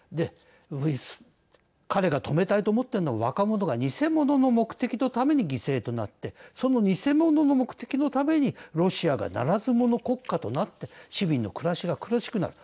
彼が止めたいと思っているのは若者が偽物の目的のために犠牲となってその偽物の目的のためにロシアが、ならず者国家となって市民の暮らしが苦しくなる。